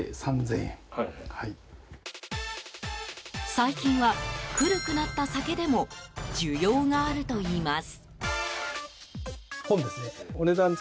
最近は、古くなった酒でも需要があるといいます。